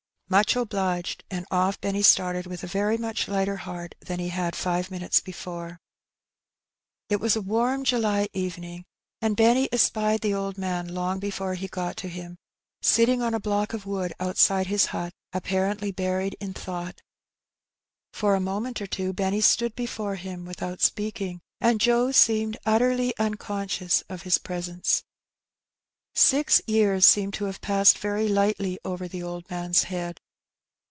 '* Much obliged." And off Benny started with a very much lighter heart than he had five minutes before. It was a The Eeward of Well doing. 283 warm July evening, and Benny espied the old man long before he got to him, sitting on a block of wood outside his hut, apparently buried in thought. For a moment or two Benny stood before him without speaking, and Joe seemed utterly unconscious of his pre sence. Six years seemed to have passed very lightly over the old man's head.